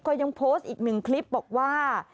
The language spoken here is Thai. เขายังโพสต์อีก๑คลิปบอกว่า